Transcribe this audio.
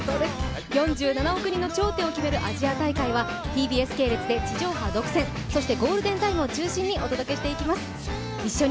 ４７億人の頂点を決めるアジア大会はＴＢＳ系列で地上波独占そしてゴールデンタイムを中心にお届けしていきます。